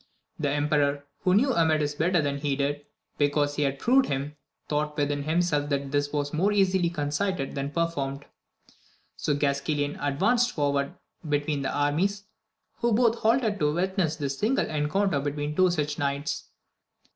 The emperor, who knew Amadis better than he did, because he had proved him, thought within himself that this was more easily conceited than performed. So Gasquailan advanced forward between the armies, who both halted to witness this signal encounter between two such knights.